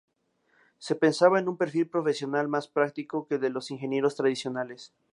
Se pensaba en un perfil profesional más práctico que el de los ingenieros tradicionales.